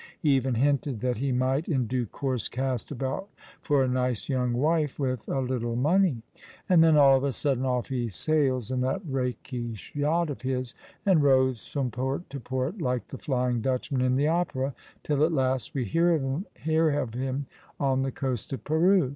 He even hinted that ho might, in due course, cast about for a nice young wife — with a little money. And then all of a sudden off he sails in that rakish yacht of his, and roves from port to port like the Flying Dutchman in the Opera, till at last we hear of him on the coast of Peru.